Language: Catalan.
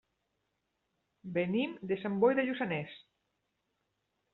Venim de Sant Boi de Lluçanès.